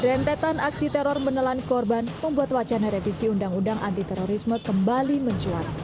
rentetan aksi teror menelan korban membuat wacana revisi undang undang anti terorisme kembali mencuat